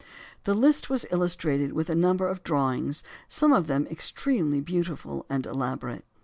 The list was illustrated with a number of drawings, some of them extremely beautiful and elaborate.